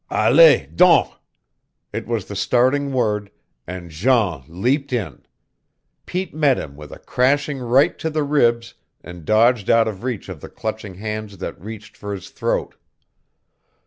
"Allez, donc!" It was the starting word, and Jean leaped in. Pete met him with a crashing right to the ribs and dodged out of reach of the clutching hands that reached for his throat.